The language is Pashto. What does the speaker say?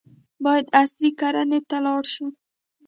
باید عصري کرنې ته لاړ شو.